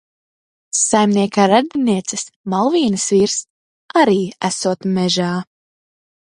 Saimnieka radinieces, Malvīnes vīrs, arī esot mežā.